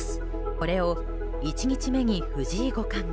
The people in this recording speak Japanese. これを１日目に藤井五冠が。